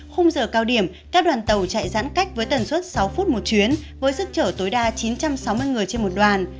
khung giờ cao điểm các đoàn tàu chạy giãn cách với tần suất sáu phút một chuyến với sức trở tối đa chín trăm sáu mươi người trên một đoàn